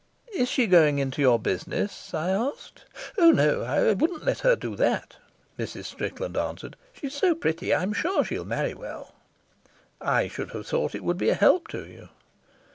"Is she going into your business?" I asked. "Oh no; I wouldn't let her do that," Mrs. Strickland answered. "She's so pretty. I'm sure she'll marry well." "I should have thought it would be a help to you."